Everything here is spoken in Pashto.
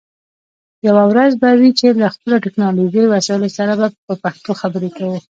یوه ورځ به وي چې له خپلو ټکنالوژی وسایلو سره په پښتو خبرې کوو